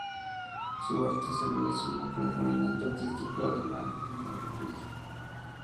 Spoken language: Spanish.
Su arte se relaciona con el movimiento artístico alemán Neue Wilde.